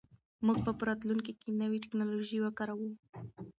موږ به په راتلونکي کې نوې ټیکنالوژي وکاروو.